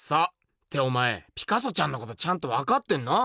っておまえピカソちゃんのことちゃんとわかってんの？